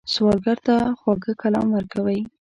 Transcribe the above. سوالګر ته خواږه کلام ورکوئ